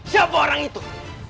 siapa orang itu